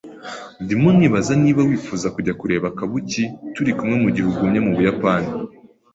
Ndimo nibaza niba wifuza kujya kureba Kabuki turi kumwe mugihe ugumye mubuyapani.